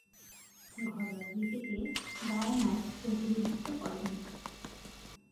ঘরোয়া ক্রিকেটে গায়ানার প্রতিনিধিত্ব করেন।